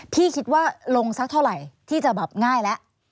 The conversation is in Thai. พี่คิดว่าลงสักเท่าไหร่ที่จะแบบง่ายแล้ว